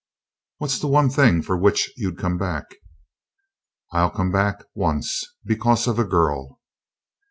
"What's the one thing for which you'd come back?" "I'll come back once because of a girl."